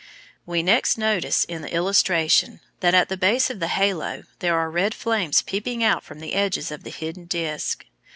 We next notice in the illustration that at the base of the halo there are red flames peeping out from the edges of the hidden disc.